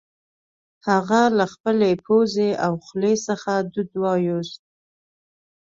هغه له خپلې پوزې او خولې څخه دود وایوست